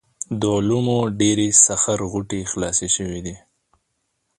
د علومو ډېرې سخر غوټې خلاصې شوې وې.